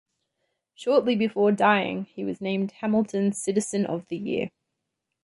Shortly before dying, he was named Hamilton's Citizen of the Year.